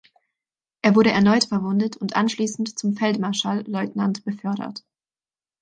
Er wurde erneut verwundet und anschließend zum Feldmarschall-Leutnant befördert.